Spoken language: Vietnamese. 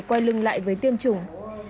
quay lưng lại với tiêm chủng